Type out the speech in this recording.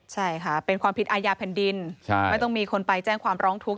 ใช่ค่ะเป็นความผิดอาญาแผ่นดินไม่ต้องมีคนไปแจ้งความร้องทุกข